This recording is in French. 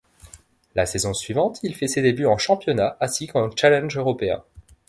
La saison suivante, il fait ses débuts en championnat ainsi qu'en Challenge européen.